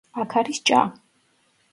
აქ არის ჭა.